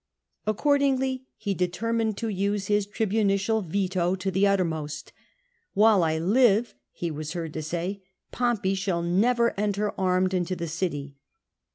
Accordingly, he determined to use 212 CATO his tribunicial veto to the uttermost. "While I live,®® he was heard to say, " Pompey shall never enter armed into the city."